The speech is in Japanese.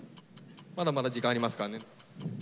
まだまだ時間ありますからね。